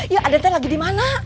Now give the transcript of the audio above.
ya aden tadi lagi dimana